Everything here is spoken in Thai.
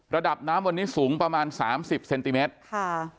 ระดับน้ำวันนี้สูงประมาณสามสิบเซนติเมตรค่ะ